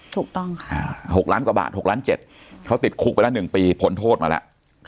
ถูกต้องค่ะ๖ล้านกว่าบาท๖ล้าน๗เขาติดคุกไปละ๑ปีผลโทษมาแล้ว